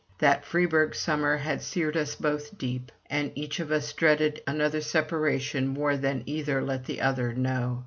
That Freiburg summer had seared us both deep, and each of us dreaded another separation more than either let the other know.